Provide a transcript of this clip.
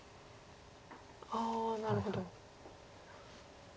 ああなるほど。